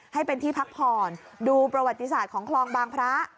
ให้เป็นที่พักผ่อนดูประวัติศาสตร์ของคลองบางพระ